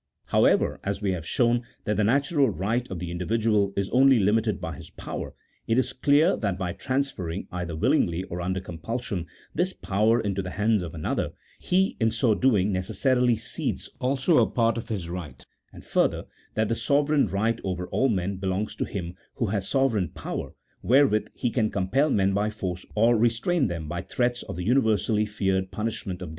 However, as we have shown that the natural right of the individual is only limited by his power, it is clear that by transferring, either willingly or under compulsion, this power into the hands of another, he in so doing necessarily cedes also a part of his right ; and further, that the sove reign right over all men belongs to him who has sovereign power, wherewith he can compel men by force, or restrain them by threats of the universally feared punishment of CHAP. XVI.] OF THE FOUNDATIONS OF A STATE.